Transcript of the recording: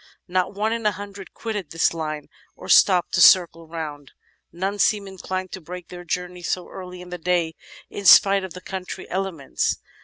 Not one in a hundred quitted this line or stopped to circle round; none seemed inclined to break their journey so early in the day, in spite of the contrary elements.